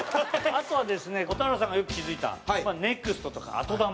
あとはですね蛍原さんがよく気付いたネクストとか後球。